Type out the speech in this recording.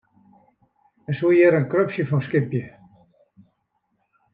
Men soe hjir in krupsje fan skypje.